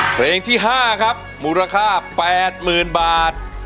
เพลงที่ห้าครับมูลค่าแปดหมื่นบาท